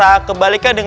pusat memerlukan ular